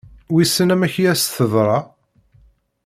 Wissen amek i as-teḍra?